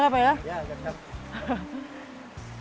iya agak capek